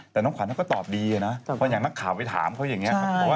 แต่น้องขวัญเขาก็ตอบดีนะเพราะอย่างนักข่าวไปถามเขาอย่างนี้